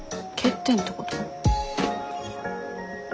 弱点ってこと？